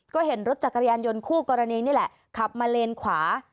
ก็เห็นรถจักรยานยนต์คู่กรณีนี่แหละขับมาเลนขวา